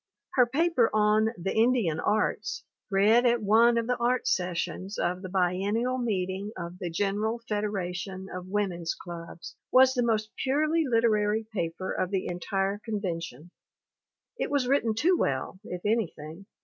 Her paper on The Indian Arts read at one of the art sessions of the biennial meeting of the General Federation of Women's Clubs was the most purely literary paper of the entire con vention. It was written too well, if anything.